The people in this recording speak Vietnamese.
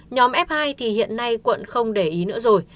nhóm f hai thì hiện nay quận không để ý nữa rồi